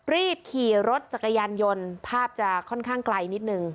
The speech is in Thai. รีบขี่รถจักรยานยนต์ภาพจะค่อนข้างไกลนิดนึง